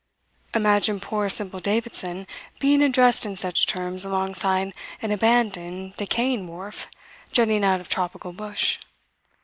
Imagine poor, simple Davidson being addressed in such terms alongside an abandoned, decaying wharf jutting out of tropical bush.